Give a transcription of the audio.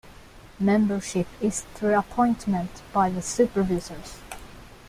Membership is through appointment by the Supervisors.